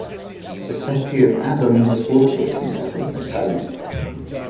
The city of Adams is located within the town.